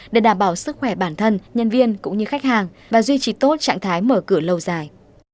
để đảm bảo sức khỏe bản thân nhân viên cũng như khách hàng và duy trì tốt trạng thái mở cửa lâu dài